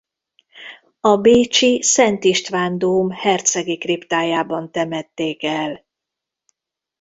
A bécsi Szent István-dóm hercegi kriptájában temették el.